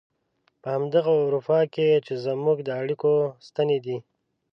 په همدغه اروپا کې چې زموږ د اړيکو ستنې دي.